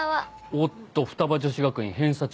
おっと二葉女子学院偏差値